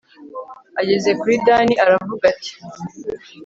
ageze kuri dani aravuga ati